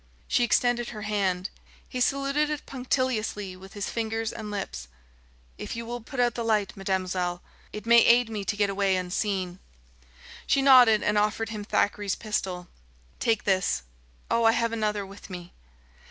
She extended her hand. He saluted it punctiliously with fingertips and lips. "If you will put out the light, mademoiselle, it may aid me to get away unseen." She nodded and offered him Thackeray's pistol. "Take this. O, I have another with me."